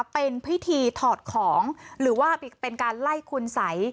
เป็นพิธีถอดของหรือว่าเป็นการไล่คุณสัย